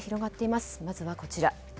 まずはこちら。